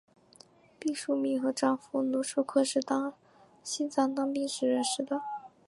毕淑敏和丈夫芦书坤是在西藏当兵时认识的。